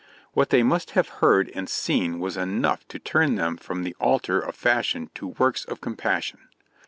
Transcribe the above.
What they must have heard and seen was enough to turn them from the altar of fashion to works of compassion.